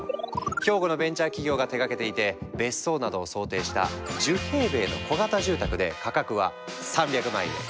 兵庫のベンチャー企業が手がけていて別荘などを想定した１０平米の小型住宅で価格は３００万円。